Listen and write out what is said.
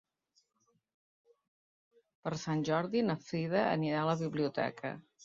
Per Sant Jordi na Frida anirà a la biblioteca.